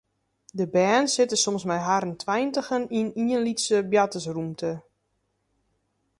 De bern sitte soms mei harren tweintigen yn in lytse boartersrûmte.